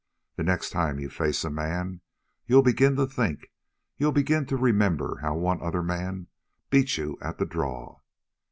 The next time you face a man you'll begin to think you'll begin to remember how one other man beat you at the draw.